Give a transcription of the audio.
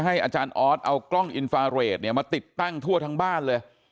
อาจารย์ออสเอากล้องอินฟาเรทเนี่ยมาติดตั้งทั่วทั้งบ้านเลย